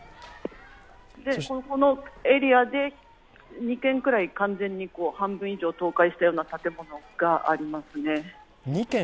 ここのエリアで２軒くらい半分以上倒壊したような状況の建物がありますね。